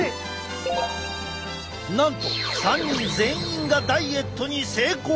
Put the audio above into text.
なんと３人全員がダイエットに成功！